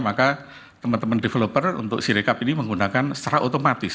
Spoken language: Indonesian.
maka teman teman developer untuk sirekap ini menggunakan secara otomatis